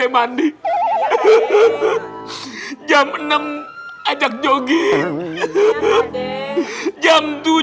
jam enam ajak jogi jam tujuh sarapan sepuluh jangan lupa ini penting ajak belajar ngomong meong jam dua belas istirahat